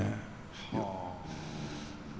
はあ。